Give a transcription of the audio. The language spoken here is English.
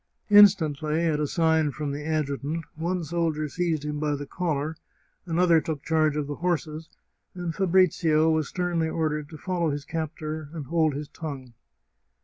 Instantly, at a sign from the adjutant, one soldier seized him by the collar, an 3» The Chartreuse of Parma other took charge of the horses, and Fabrizio was sternly ordered to follow his captor and hold his tongue.